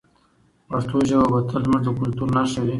پښتو ژبه به تل زموږ د کلتور نښه وي.